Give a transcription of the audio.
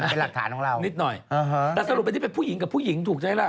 เป็นหลักฐานของเราค่ะนิดนึ้อยแต่สรุปเป็นที่ัพุยิงไปจึงกับผู้หญิงถูกใช่ละ